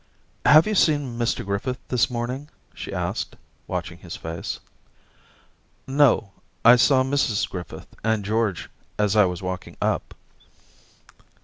* Have you seen Mr Griffith this morn ing?* she asked, watching his face. * No ; I saw Mrs Griffith and George as I was walking up.'